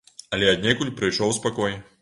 Але аднекуль прыйшоў спакой.